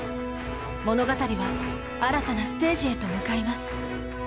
物語は新たなステージへと向かいます。